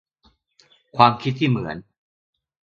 ความคิดที่เหมือน